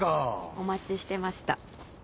お待ちしてました。